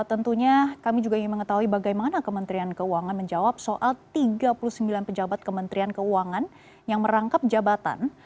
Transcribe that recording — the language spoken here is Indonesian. dan tentunya kami juga ingin mengetahui bagaimana kementerian keuangan menjawab soal tiga puluh sembilan pejabat kementerian keuangan yang merangkap jabatan